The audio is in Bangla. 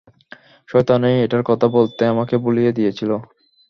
শয়তানই এটার কথা বলতে আমাকে ভুলিয়ে দিয়েছিল।